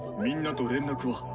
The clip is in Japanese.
みんなと連絡は？